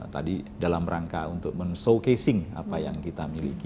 tadi dalam rangka untuk men showcasing apa yang kita miliki